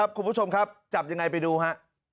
คุณผู้ชมครับจับยังไงไปดูฮะ